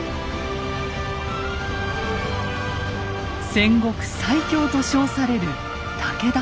戦国最強と称される武田軍。